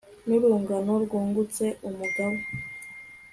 n'urungano rwungutse umugaba